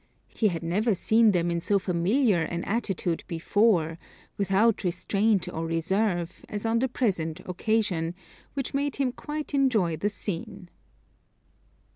He had never seen them in so familiar an attitude before, without restraint or reserve, as on the present occasion, which made him quite enjoy the scene.